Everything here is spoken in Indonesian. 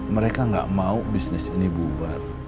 mereka gak mau bisnis ini dibuat